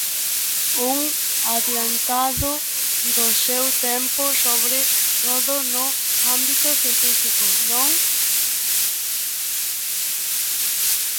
Un adiantado do seu tempo Sobre todo no ámbito científico, non?